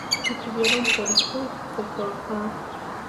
Y tuvieron por hijo y sucesor a